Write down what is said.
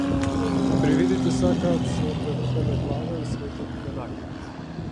Привидите сакаат со превртена глава и светот им е најубав.